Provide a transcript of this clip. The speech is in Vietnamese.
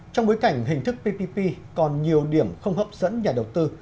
trong bối cảnh hình thức ppp còn nhiều điểm không hấp dẫn nhà đầu tư